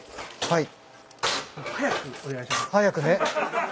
はい。